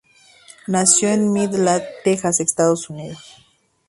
Nació en Midland, Texas, Estados Unidos.